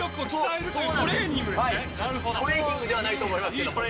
トレーニングではないと思いますけど。